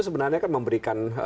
sebenarnya kan memberikan